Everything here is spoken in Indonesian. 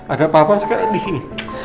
ada papa sekarang disini